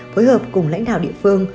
phối hợp cùng lãnh đạo địa phương